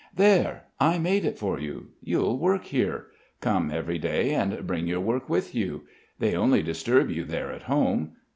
"There. I made it for you. You'll work here. Come every day and bring your work with you. They only disturb you there at home....